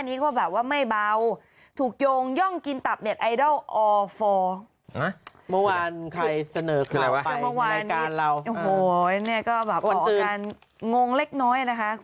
น้องไปเรื่องของเอสเตอร์กับเคนปูปูมกันดีกว่า